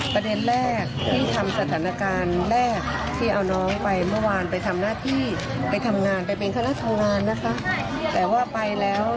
เป็นเต็มที่เรายังไม่ได้อธิบาย